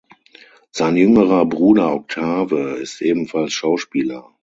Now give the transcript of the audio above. Sein jüngerer Bruder Octave ist ebenfalls Schauspieler.